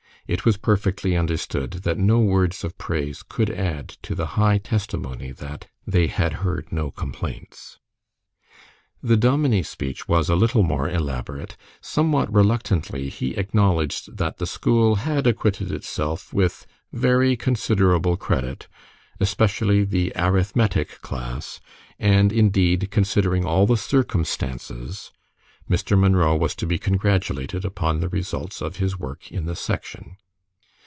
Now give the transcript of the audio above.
It was perfectly understood that no words of praise could add to the high testimony that they "had heard no complaints." The dominie's speech was a little more elaborate. Somewhat reluctantly he acknowledged that the school had acquitted itself with "very considerable credit," especially the "arith MET ic" class, and indeed, considering all the circumstances, Mr. Munro was to be congratulated upon the results of his work in the Section.